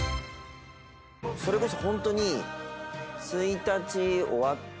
それこそホントに。